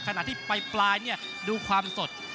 ขณะที่ปลายเนี่ยดูความสด